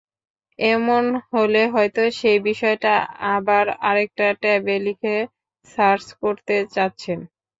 এমন হলে হয়তো সেই বিষয়টা আবার আরেকটা ট্যাবে লিখে সার্চ করতে চাচ্ছেন।